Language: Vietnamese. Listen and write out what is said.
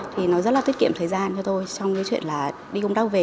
thì nó rất là tiết kiệm thời gian cho tôi trong cái chuyện là đi công tác về